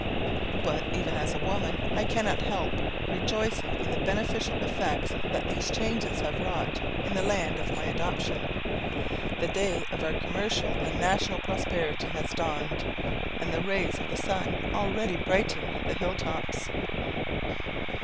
But, even as a woman, I cannot help rejoicing in the beneficial effects that these changes have wrought in the land of my adoption. The day of our commercial and national prosperity has dawned, and the rays of the sun already brighten the hill tops.